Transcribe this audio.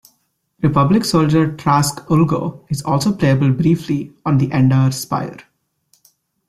Republic soldier Trask Ulgo is also playable briefly on the "Endar Spire".